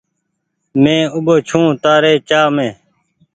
مين اوٻو ڇون تآري چآه مين ۔